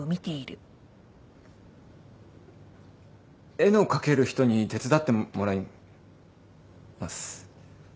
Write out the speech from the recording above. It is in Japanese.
絵の描ける人に手伝ってもらい。ます。